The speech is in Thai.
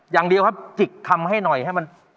อย่างเดียวครับจิกคำให้หน่อยให้มัน